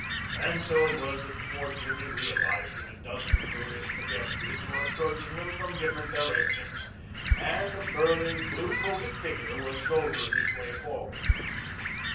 And so it was that before Jimmy realized it a dozen curious pedestrians were approaching them from different directions, and a burly blue coated figure was shouldering his way forward.